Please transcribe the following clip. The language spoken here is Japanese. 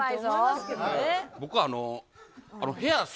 僕あの。